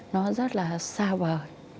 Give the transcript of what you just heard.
nó rất là xa vời